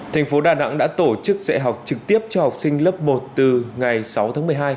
thành phố đà nẵng đã tổ chức dạy học trực tiếp cho học sinh lớp một từ ngày sáu tháng một mươi hai